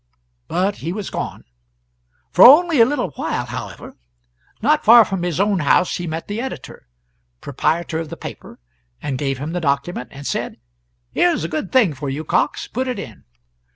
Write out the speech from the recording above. But he was gone. For only a little while, however. Not far from his own house he met the editor proprietor of the paper, and gave him the document, and said "Here is a good thing for you, Cox put it in."